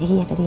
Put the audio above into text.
iya tadi ya